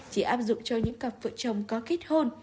chỉ áp dụng cho những cặp vợ chồng có kết hôn